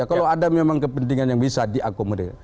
kalau ada memang kepentingan yang bisa diakomodir